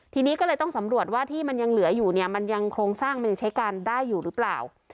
ทีนี้ก็เลยต้องสำรวจว่าที่มันยังเหลืออยู่เนี่ยมันยังโครงสร้างมันยังใช้การได้อยู่หรือเปล่า